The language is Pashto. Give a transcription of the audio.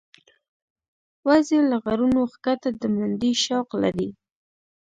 وزې له غرونو ښکته د منډې شوق لري